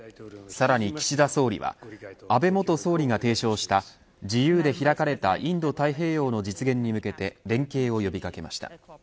さらに岸田総理は安倍元総理が提唱した自由で開かれたインド太平洋の実現に向けて連携を呼び掛けました。